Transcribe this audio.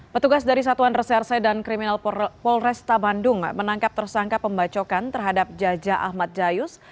petugas dari satuan reserse dan kriminal polresta bandung menangkap tersangka pembacokan terhadap jaja ahmad jayus